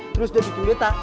terus dia bikin betah